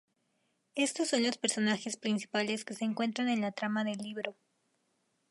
Estos son los personajes principales que se encuentran en la trama del libro.